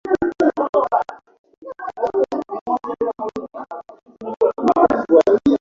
ugonjwa huu huku mbu wale wengine kama vile nzi wa kuuma